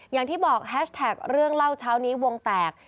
อย่างที่บอกแฮชแท็กเรื่องเล่าเช้านี้วงแตก